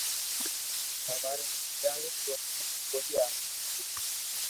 ھواري ھمجاوي تو ھمج ڪوئي آوئي